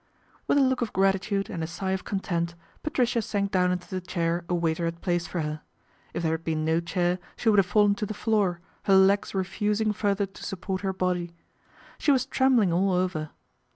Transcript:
With a look of gratitude and a sigh of content, Patricia sank down into the chair a waiter had placed for her. If there had been no chair, she would have fallen to the floor, her legs refusing further to support her body. She was trembling all over.